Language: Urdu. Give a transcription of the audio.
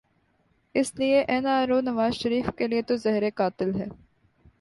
اس لیے N R O Nawaz Sharif کیلئے تو زہر قاتل ہے۔